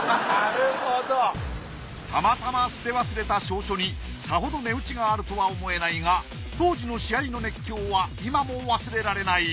たまたま捨て忘れた証書にさほど値打ちがあるとは思えないが当時の試合の熱狂は今も忘れられない。